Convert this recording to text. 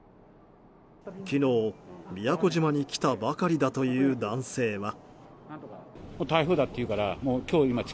昨日、宮古島に来たばかりだという男性は。